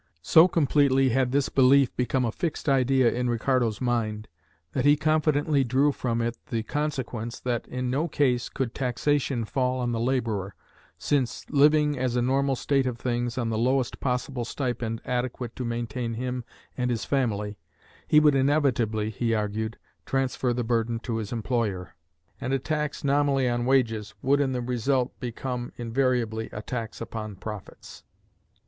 So completely had this belief become a fixed idea in Ricardo's mind, that he confidently drew from it the consequence, that in no case could taxation fall on the laborer, since living, as a normal state of things, on the lowest possible stipend adequate to maintain him and his family he would inevitably, he argued, transfer the burden to his employer; and a tax nominally on wages would in the result become invariably a tax upon profits.